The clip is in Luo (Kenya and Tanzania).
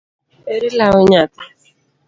Ere law nyathi?